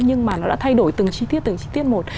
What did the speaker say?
nhưng mà nó đã thay đổi từng chi tiết từng chi tiết một